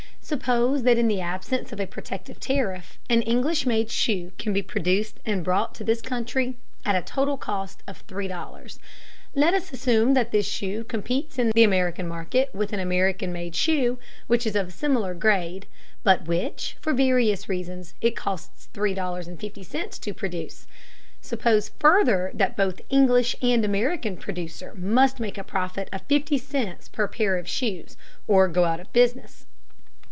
Suppose that in the absence of a protective tariff an English made shoe can be produced and brought to this country at a total cost of $3.00. Let us assume that this shoe competes in the American market with an American made shoe which is of similar grade, but which, for various reasons, it costs $3.50 to produce. Suppose, further, that both English and American producer must make a profit of $0.50 per pair of shoes, or go out of business.